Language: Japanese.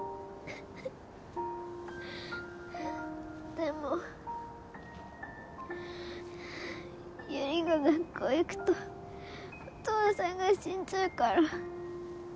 でも悠里が学校行くとお父さんが死んじゃうから。